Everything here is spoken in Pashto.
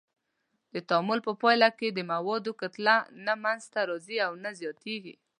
د تعامل په پایله کې د موادو کتله نه منځه ځي او نه زیاتیږي.